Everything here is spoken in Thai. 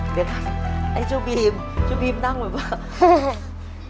เดี๋ยวค่ะไอ้ชูบีมชูบีมนั่งเหมือนว่า